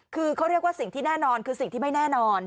คือเขาเรียกว่าสิ่งที่แน่นอนคือสิ่งที่ไม่แน่นอน